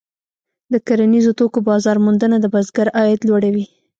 د کرنیزو توکو بازار موندنه د بزګر عاید لوړوي.